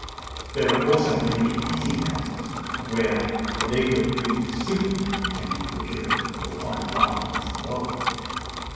There are also many eating houses where leg of beef soup can be procured for five farthings the bowl.